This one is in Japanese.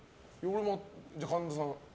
じゃあ神田さん。